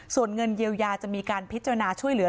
ส่วนเงินเยียวยาจะมีการพิจารณาช่วยเหลือ